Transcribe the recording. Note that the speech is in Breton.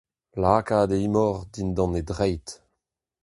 Lakaat e imor dindan e dreid.